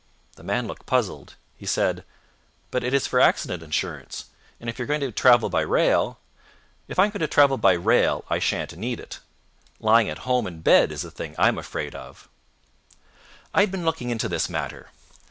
The man looked puzzled. He said: "But it is for accident insurance, and if you are going to travel by rail " "If I am going to travel by rail I sha'n't need it. Lying at home in bed is the thing I am afraid of." I had been looking into this matter.